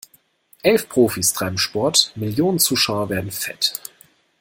Elf Profis treiben Sport, Millionen Zuschauer werden fett.